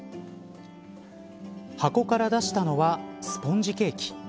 箱から出したのはスポンジケーキ。